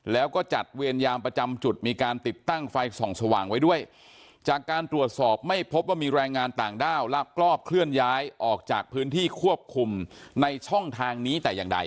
แล้วก็จัดเวรยามประจำจุดมีการติดตั้งไฟส่องสว่างไว้ด้วยจากการตรวจสอบไม่พบว่ามีแรงงานต่างด้าวลักลอบเคลื่อนย้ายออกจากพื้นที่ควบคุมในช่องทางนี้แต่อย่างใด